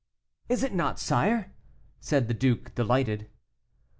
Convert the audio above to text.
"Is it not, sire?" said the duke, delighted.